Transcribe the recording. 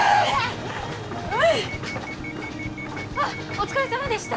あっお疲れさまでした。